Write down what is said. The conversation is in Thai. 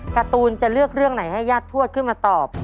การ์ตูนจะเลือกเรื่องไหนให้ญาติทวดขึ้นมาตอบ